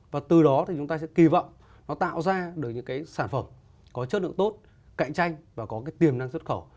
và từ đó thì chúng ta sẽ kỳ vọng nó tạo ra được những cái sản phẩm có chất lượng tốt cạnh tranh và có cái tiềm năng xuất khẩu